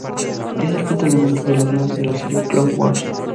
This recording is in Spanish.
Es el quinto elemento de los nueve de la serie Clone Wars.